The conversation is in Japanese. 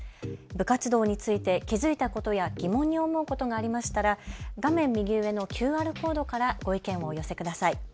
部活動について気付いたことや疑問に思うことがありましたら画面右上のＱＲコードからご意見をお寄せください。